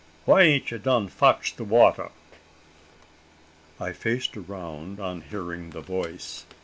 Why ain't you done fotch de water?" I faced round on hearing the voice.